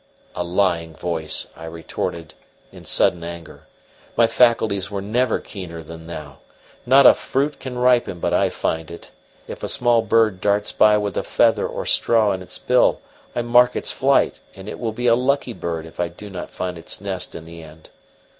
"A lying voice!" I retorted in sudden anger. "My faculties were never keener than now. Not a fruit can ripen but I find it. If a small bird darts by with a feather or straw in its bill I mark its flight, and it will be a lucky bird if I do not find its nest in the end.